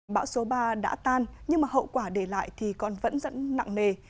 bão số ba đã tan nhưng mà hậu quả để lại thì còn vẫn rất nặng nề